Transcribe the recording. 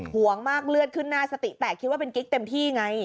ห่วงมากเลือดขึ้นหน้าสติแตกคิดว่าเป็นกิ๊กเต็มที่ไง